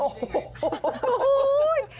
โอ้โห